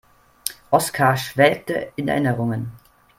Oskar schwelgte in Erinnerungen.